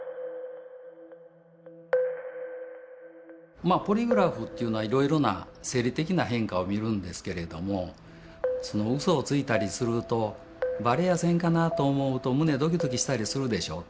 まあポリグラフっていうのはいろいろな生理的な変化を見るんですけれどもうそをついたりするとばれやせんかなと思うと胸ドキドキしたりするでしょう。